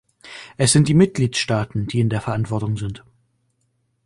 Es sind die Mitgliedstaaten, die in der Verantwortung sind!